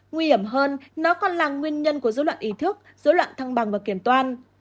nguy hiểm hơn nó còn là nguyên nhân của dối loạn ý thức dối loạn thăng bằng và kiểm toán